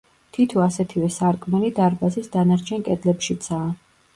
თითო ასეთივე სარკმელი დარბაზის დანარჩენ კედლებშიცაა.